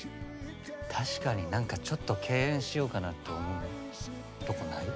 確かに何かちょっと敬遠しようかなと思うとこない？